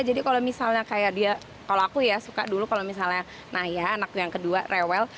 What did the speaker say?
jadi kalau misalnya kayak dia kalau aku ya suka dulu kalau misalnya naya anaknya yang kedua rewel